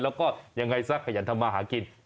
แล้วก็ยังไงซะขยันทำมาหากิน